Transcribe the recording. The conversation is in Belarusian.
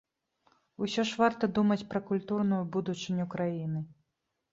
Усё ж варта думаць пра культурную будучыню краіны.